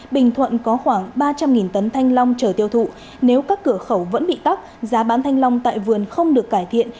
bình thuận có khoảng ba trăm linh tấn thanh long trở tiêu thụ nếu các cửa khẩu vẫn bị tắc giá bán thanh long tại vườn không được cải thiện